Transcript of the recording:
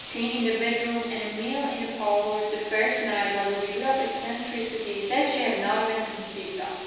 Tea in the bedroom and a mill in the parlour the first night was a degree of eccentricity she had not even conceived of.